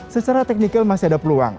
secara teknikal masih ada peluang